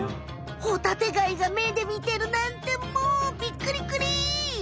ホタテガイが目で見てるなんてもうビックリクリ！